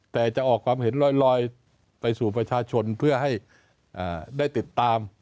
แต่จะออกความเห็นลอยไปสู่ประชาชนเพื่อให้ได้ติดตาม